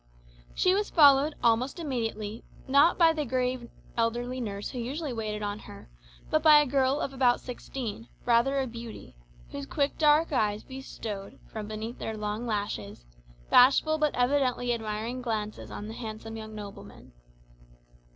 She was followed almost immediately, not by the grave elderly nurse who usually waited on her, but by a girl of about sixteen, rather a beauty, whose quick dark eyes bestowed, from beneath their long lashes, bashful but evidently admiring glances on the handsome young nobleman.